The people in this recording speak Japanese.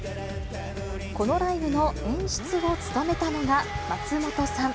このライブの演出を務めたのが松本さん。